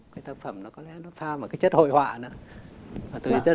cái tác phẩm nó có lẽ pha một cái chất hồi họa nữa